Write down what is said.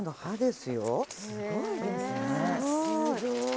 すごい。